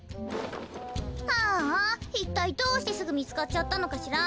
ああいったいどうしてすぐみつかっちゃったのかしら。